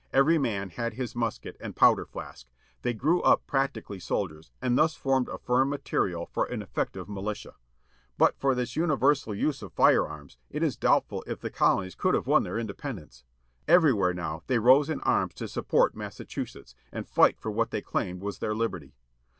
Every man had his musket and powder flask. They grew up practically soldiers, and thus formed a firm material for an effective militia. But for this tmi versal use of firearms it is doubtful if the colonies could have won their independence. Everywhere now they rose in arms to support Massachusetts, and fight for what they claimed was their liberty.